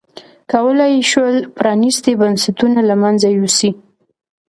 کولای یې شول پرانیستي بنسټونه له منځه یوسي.